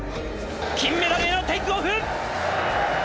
金メダルへのテイクオフ。